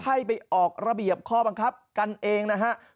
ให้ไปออกระเบียบข้อบังคับกันเองนะฮะ